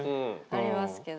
ありますけど。